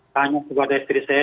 tanya kepada istri saya